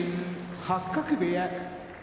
八角部屋